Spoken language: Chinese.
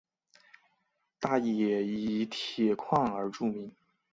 大冶以铁矿而著名。